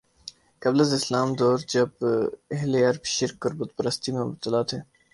قبل از اسلام دور جب اہل عرب شرک اور بت پرستی میں مبتلا تھے